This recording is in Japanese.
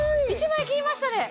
１万円切りましたね